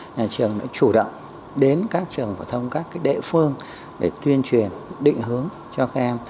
nhà trường đã chủ động đến các trường phổ thông các địa phương để tuyên truyền định hướng cho các em